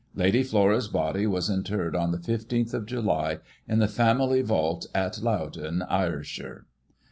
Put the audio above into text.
Lady Flora's body was interred, on the 15th of July, in the family vault at Loudon, Ayrshire.